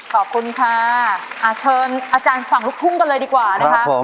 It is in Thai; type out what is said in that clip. ขอบคุณค่ะเชิญอาจารย์ฝั่งลูกทุ่งกันเลยดีกว่านะคะ